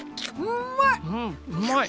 うまい！